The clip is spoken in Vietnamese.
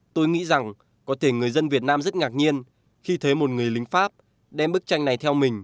tôi nghĩ rằng có thể người dân việt nam rất ngạc nhiên khi thấy một người lính pháp đem bức tranh này theo mình